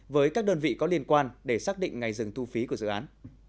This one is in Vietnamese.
với các đơn vị có liên quan để xác định ngày dừng thu phí của dự án